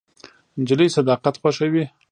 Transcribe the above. نجلۍ صداقت خوښوي.